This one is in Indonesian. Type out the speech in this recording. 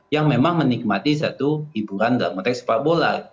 yang memang menikmati satu hiburan dalam konteks sepak bola